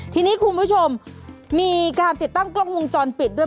ทีนี้คุณผู้ชมมีการติดตั้งกล้องวงจรปิดด้วย